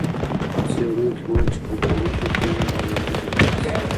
څېړونکي وویل چې کلتوري توپیرونه باید له منځه ولاړ سي.